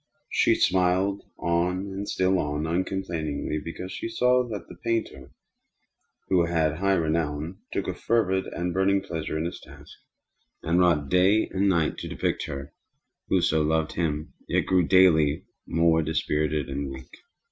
Yet she smiled on and still on, uncomplainingly, because she saw that the painter (who had high renown) took a fervid and burning pleasure in his task, and wrought day and night to depict her who so loved him, yet who grew daily more dispirited and weak.